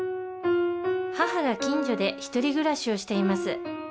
母が近所で独り暮らしをしています。